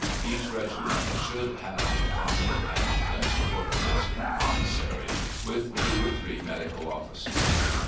Each regiment should have a competent adjutant, quartermaster, and commissary, with two or three medical officers.